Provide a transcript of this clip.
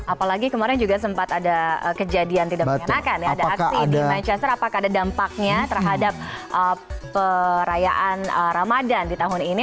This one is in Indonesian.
apalagi kemarin juga sempat ada kejadian tidak menyenangkan ya ada aksi di manchester apakah ada dampaknya terhadap perayaan ramadhan di tahun ini